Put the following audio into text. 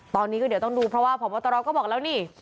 ตอนนี้ก็เดี๋ยวต้องดูเพราะว่าพบตรก็บอกแล้วนี่